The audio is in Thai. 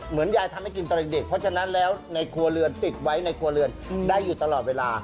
ยายทำให้กินตอนเด็กเพราะฉะนั้นแล้วในครัวเรือนติดไว้ในครัวเรือนได้อยู่ตลอดเวลา